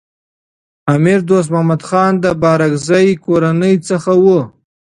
امیر دوست محمد خان د بارکزايي کورنۍ څخه و.